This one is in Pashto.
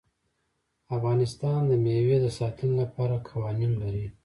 افغانستان د مېوې د ساتنې لپاره قوانین لري.